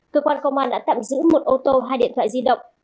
cơ quan công an đã tạm giữ một ô tô hai điện thoại di động